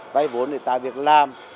vay vốn để tạo việc làm